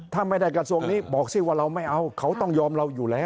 ถ้าไม่ได้กระทรวงนี้บอกสิว่าเราไม่เอาเขาต้องยอมเราอยู่แล้ว